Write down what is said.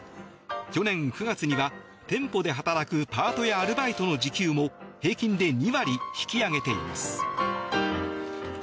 去年９月には、店舗で働くパートやアルバイトの時給も平均で２割引き上げています。